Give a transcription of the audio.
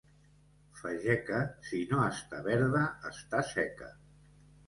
Fageca, si no està verda, està seca.